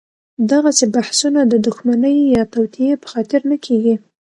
دغسې بحثونه د دښمنۍ یا توطیې په خاطر نه کېږي.